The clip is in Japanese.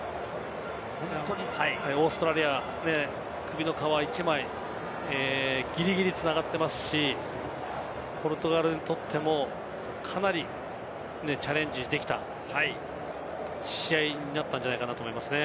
オーストラリア首の皮１枚ギリギリ繋がっていますし、ポルトガルにとってもかなりチャレンジできた試合になったんじゃないかなと思いますね。